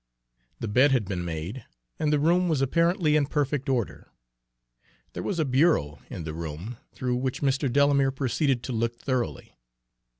The bed had been made, and the room was apparently in perfect order. There was a bureau in the room, through which Mr. Delamere proceeded to look thoroughly.